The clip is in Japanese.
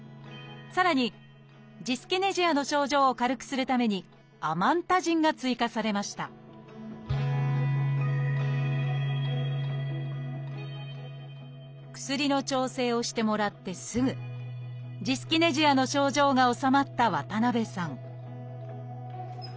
さらにジスキネジアの症状を軽くするために「アマンタジン」が追加されました薬の調整をしてもらってすぐジスキネジアの症状が治まった渡辺さん